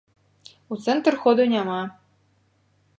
У цэнтр ходу няма.